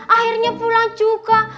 akhirnya pulang juga